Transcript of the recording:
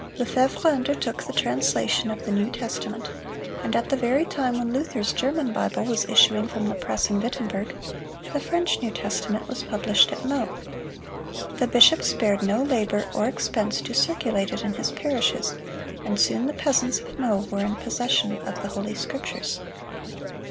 Lefevre undertook the translation of the New Testament; and at the very time when Luther's German Bible was issuing from the press in Wittenberg, the French New Testament was published at Meaux. The bishop spared no labor or expense to circulate it in his parishes, and soon the peasants of Meaux were in possession of the Holy Scriptures.